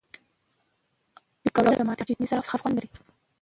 پکورې له ټماټر چټني سره خاص خوند لري